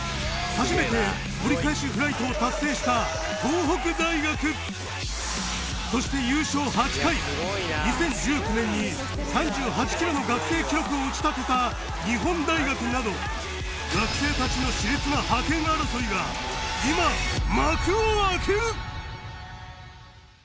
初めて折り返しフライトを達成したそして優勝８回２０１９年に３８ｋｍの学生記録を打ち立てた日本大学など学生たちの熾烈な覇権争いが今幕を開ける！